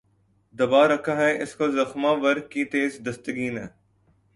دبا رکھا ہے اس کو زخمہ ور کی تیز دستی نے